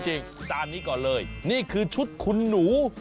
ตามนี้ก่อนเลยนี่คือชุดคุณหนู